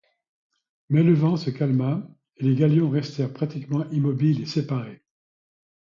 Mais le vent se calma, et les galions restèrent pratiquement immobiles et séparés.